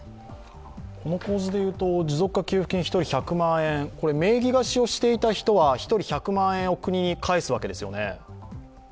この構図で言うと、持続化給付金１人１００万円、名義貸しをしていた人は１人１００万円を国に返すわけですよね。